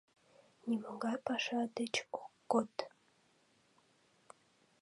Нимогай паша деч ок код.